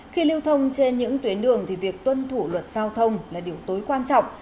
khi lưu thông trên những tuyến đường thì việc tuân thủ luật giao thông là điều tối quan trọng